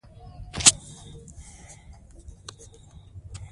لوگر د افغانستان د چاپیریال د مدیریت لپاره مهم دي.